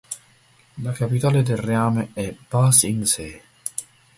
La capitale del reame è Ba Sing Se.